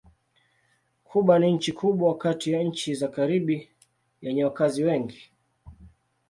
Kuba ni nchi kubwa kati ya nchi za Karibi yenye wakazi wengi.